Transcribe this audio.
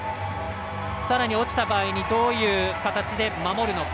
さらに落ちた場合にどういう形で守るのか。